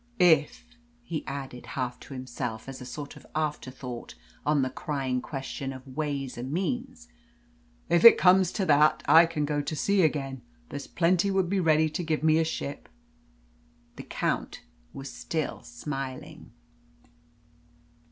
"If," he added, half to himself, as a sort of afterthought on the crying question of ways and means "if it comes to that, I can go to sea again. There's plenty would be ready to give me a ship." The Count was still smiling.